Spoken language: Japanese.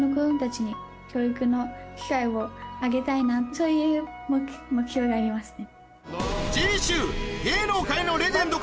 そういう目標がありますね。